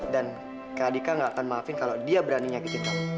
dan kak dika gak akan maafin kalau dia beraninya kecil